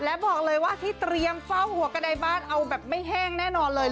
และบอกเลยว่าที่เตรียมเฝ้าหัวกระดายบ้านเอาแบบไม่แห้งแน่นอนเลย